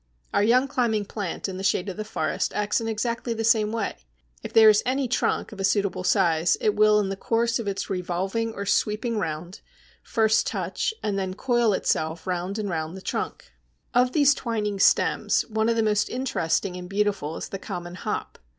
Our young climbing plant in the shade of the forest acts in exactly the same way. If there is any trunk of a suitable size, it will in the course of its revolving or sweeping round first touch and then coil itself round and round the trunk. Of these twining stems, one of the most interesting and beautiful is the common Hop.